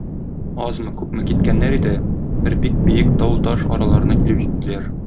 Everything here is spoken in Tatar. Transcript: Азмы-күпме киткәннәр иде, бер бик биек тау-таш араларына килеп җиттеләр.